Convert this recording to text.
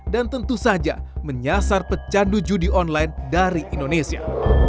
dan tentu saja menyasar pecandu judi online dari indonesia